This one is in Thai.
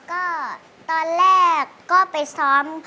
ก็ตอนแรกก็ไปซ้อม